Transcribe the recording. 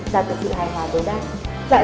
đạt được sự hài hòa đối đoan